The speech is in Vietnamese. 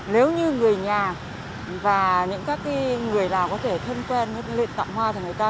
nếu như người nhà và những các người nào có thể thân quen lên tặng hoa cho người ta